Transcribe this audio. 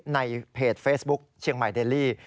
ในเพจเฟซบุ๊คเชียงใหม่เดลลี่